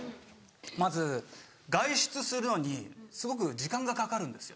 まず外出するのにすごく時間がかかるんですよ。